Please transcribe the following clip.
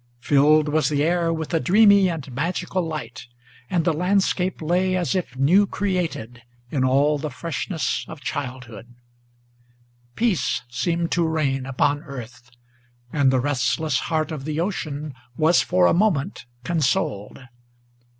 Filled was the air with a dreamy and magical light; and the landscape Lay as if new created in all the freshness of childhood. Peace seemed to reign upon earth, and the restless heart of the ocean Was for a moment consoled.